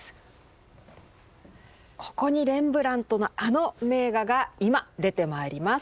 ここにレンブラントのあの名画が今出てまいります！